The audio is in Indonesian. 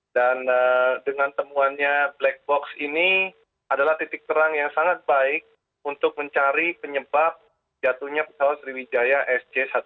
dan dengan temuannya black box ini adalah titik terang yang sangat baik untuk mencari penyebab jatuhnya pesawat sriwijaya sj satu ratus delapan puluh dua